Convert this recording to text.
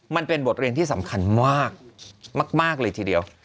มันเป็นบทเรียนที่สำคัญมากเลยทีเดียว